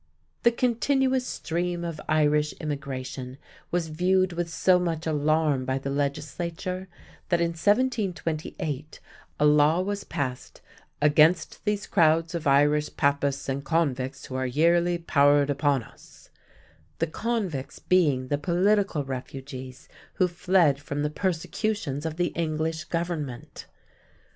The continuous stream of Irish immigration was viewed with so much alarm by the Legislature, that in 1728 a law was passed "against these crowds of Irish papists and convicts who are yearly powr'd upon us" (the "convicts" being the political refugees who fled from the persecutions of the English Government!).